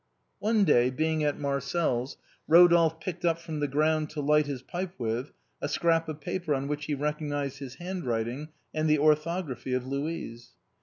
One day, being at Marcel's, Rodolphe picked up from the ground to light his pipe with a scrap of paper on which he recognized the hand writing and the orthography of Louise.